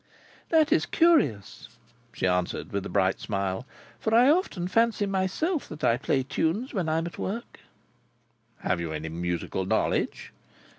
"That is curious," she answered, with a bright smile. "For I often fancy, myself, that I play tunes while I am at work." "Have you any musical knowledge?"